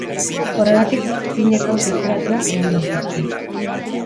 Horregatik zineko dekoratuak egin dituzte.